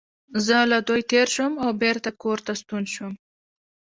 زه له دوی تېر شوم او بېرته کور ته ستون شوم.